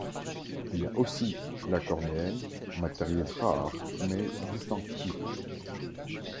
Il y a aussi la cornéenne, matériel rare mais distinctif.